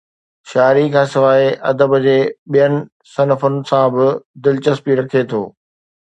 شاعري کان سواءِ ادب جي ٻين صنفن سان به دلچسپي رکي ٿو